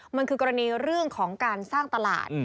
มันคือกรณีเรื่องของการสร้างตลาด